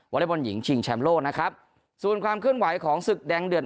เล็กบอลหญิงชิงแชมป์โลกนะครับส่วนความเคลื่อนไหวของศึกแดงเดือด